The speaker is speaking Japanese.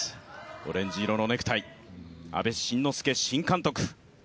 オレンジ色のネクタイ、阿部慎之助新監督。